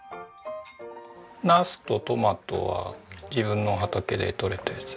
ナスとトマトは自分の畑で取れたやつですね。